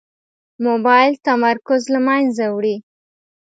موبایل د تمرکز له منځه وړي.